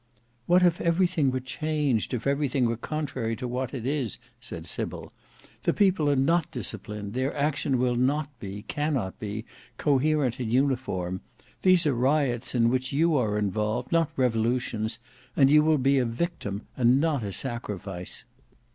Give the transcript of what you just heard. "What if everything were changed, if everything were contrary to what it is?" said Sybil. "The people are not disciplined; their action will not be, cannot be, coherent and uniform; these are riots in which you are involved, not revolutions; and you will be a victim, and not a sacrifice."